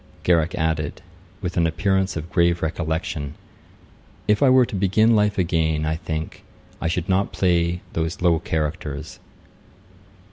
Garrick added, with an appearance of grave recollection, 'If I were to begin life again, I think I should not play those low characters.'